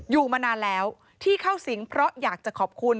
อยู่มานานแล้วที่เข้าสิงเพราะอยากจะขอบคุณ